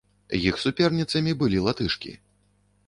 Іх суперніцамі былі латышкі.